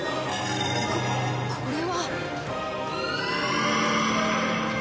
ここれは！？